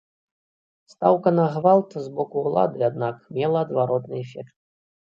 Стаўка на гвалт з боку ўлады, аднак, мела адваротны эфект.